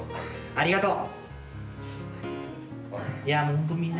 ありがとう。